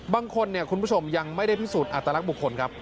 บางคนเนี่ยคุณผู้ชมยังไม่ได้พิสูจน์อัตลักษณ์บุคคลครับ